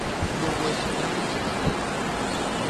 Ну вось, не будзе такога!